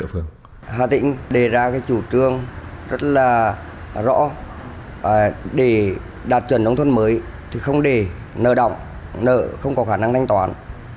hà tĩnh đề ra cái chủ trương rất là rõ để đạt chuẩn nông thôn mới thì không để nợ động nợ không có khả năng thanh toán